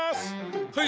はい。